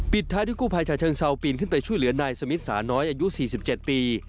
ท้ายด้วยกู้ภัยชาเชิงเซาปีนขึ้นไปช่วยเหลือนายสมิทสาน้อยอายุ๔๗ปี